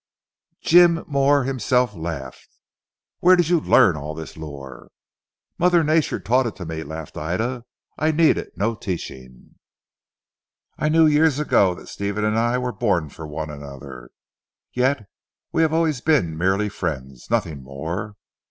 Jim more himself, laughed. "Where did you learn all this lore?" "Mother Nature taught it to me," laughed Ida. "I needed no teaching. I knew years ago that Stephen and I were born for one another. Yet we have always been merely friends; nothing more.